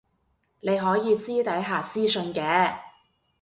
你可以私底下私訊嘅